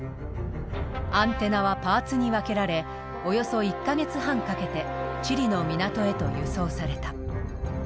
アンテナはパーツに分けられおよそ１か月半かけてチリの港へと輸送された。